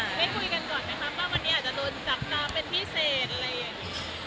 ได้คุยกันก่อนไหมคะว่าวันนี้อาจจะโดนจับตาเป็นพิเศษอะไรอย่างนี้